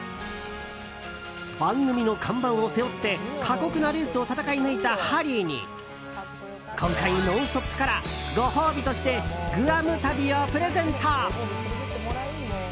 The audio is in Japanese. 番組の看板を背負って、過酷なレースを戦い抜いたハリーに今回、「ノンストップ！」からご褒美としてグアム旅をプレゼント。